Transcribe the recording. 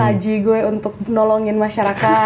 jadi taji gue untuk nolongin masyarakat